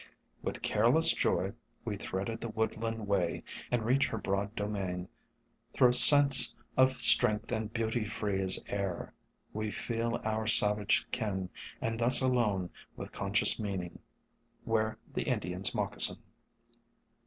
"With careless joy we thread the woodland way And reach her broad domain. Thro* sense of strength and beauty free as air, We feel our savage kin: And thus alone, with conscious meaning, wear The Indian's Moccasin."